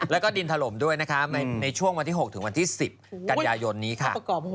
แล้วก็ดินถล่มด้วยนะคะในช่วงวันที่๖ถึงวันที่๑๐กันยายนนี้ค่ะ